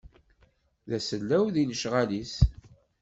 D asellaw di lecɣal-is.